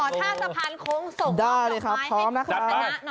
ขอชาวสะพานคงส่งรองดอกไม้ให้คุณชนะหน่อยลูก